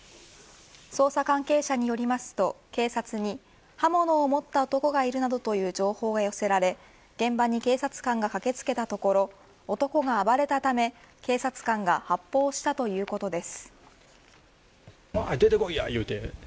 捜査関係者によりますと警察に刃物を持った男がいるなどという情報が寄せられ現場に警察官が駆け付けたところ男が暴れたため、警察官が発砲したということです。